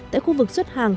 tại khu vực xuất hàng